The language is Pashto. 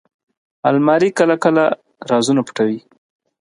الماري کله کله رازونه پټوي